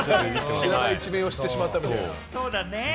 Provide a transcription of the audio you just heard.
知らない一面を知ってしまったとか。